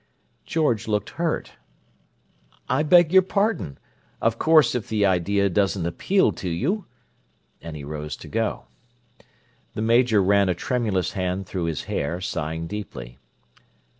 George looked hurt. "I beg your pardon. Of course if the idea doesn't appeal to you—" And he rose to go. The Major ran a tremulous hand through his hair, sighing deeply.